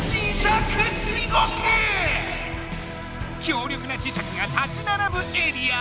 強力な磁石が立ちならぶエリア。